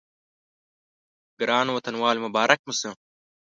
ګرانو وطنوالو مبارک مو شه.